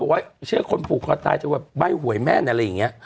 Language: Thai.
ว่าเชื่อคนผูกคอตายจนแบบใบ้หวยแม่นอะไรอย่างนี้